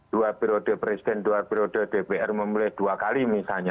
dua periode presiden dua periode dpr memilih dua kali misalnya